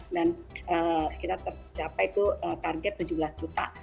dan kita tercapai itu target tujuh belas juta